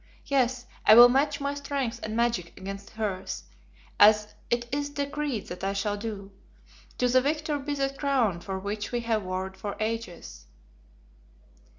Yes, I will match my strength and magic against hers, as it is decreed that I shall do. To the victor be that crown for which we have warred for ages."